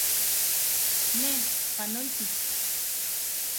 Ne, ¡panolti!